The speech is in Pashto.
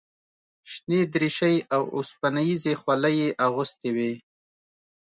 شنې دریشۍ او اوسپنیزې خولۍ یې اغوستې وې.